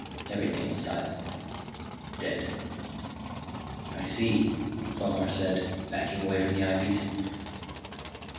Everything was silent, dead. "I see," Fomar said, backing away from the eyepiece.